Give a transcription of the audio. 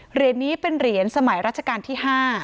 เหรียญนี้เป็นเหรียญสมัยราชการที่๕